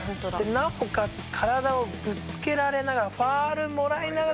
「なおかつ体をぶつけられながらファウルもらいながらの」